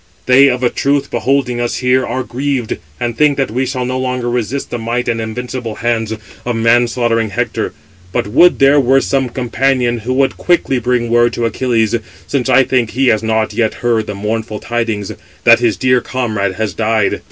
They, of a truth, beholding us here, are grieved, and think that we shall no longer resist the might and invincible hands of man slaughtering Hector. But, would there were some companion who would quickly bring word to Achilles, since I think he has not yet heard the mournful tidings, that his dear comrade has died.